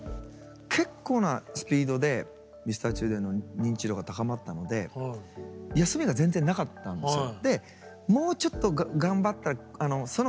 結構なスピードでＭｒ．Ｃｈｉｌｄｒｅｎの認知度が高まったので休みが全然なかったんですよ。